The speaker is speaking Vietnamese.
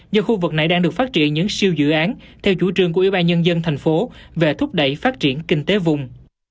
do khu vực này đang được phát triển những siêu dự án theo chủ trương của ybnd tp hcm về thúc đẩy phát triển kinh tế vùng